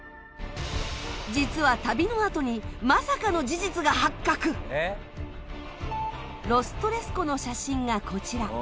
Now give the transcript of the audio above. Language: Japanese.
実は旅のあとにロス・トレス湖の写真がこちら。